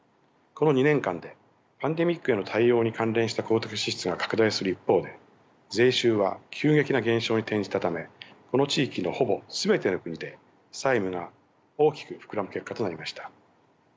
この２年間でパンデミックへの対応に関連した公的支出が拡大する一方で税収は急激な減少に転じたためこの地域のほぼ全ての国で債務が大きく膨らむ結果となりました。